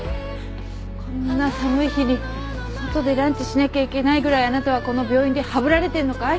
こんな寒い日に外でランチしなきゃいけないぐらいあなたはこの病院でハブられてるのかい？